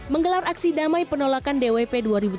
menggelar aksi damai penolakan dwp dua ribu tujuh belas